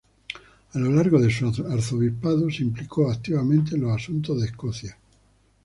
A lo largo de su arzobispado, se implicó activamente en los asuntos de Escocia.